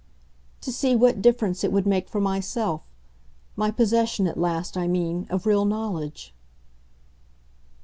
"To see what difference it would make for myself. My possession at last, I mean, of real knowledge."